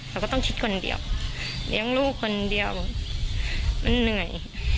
เขาก็ต้องคิดคนเดียวเลี้ยงลูกคนเดียวมันเหนื่อย